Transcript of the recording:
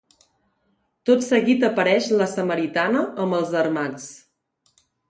Tot seguit apareix la Samaritana amb els armats.